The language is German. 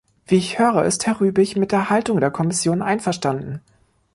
Wie ich höre, ist Herr Rübig mit der Haltung der Kommission einverstanden.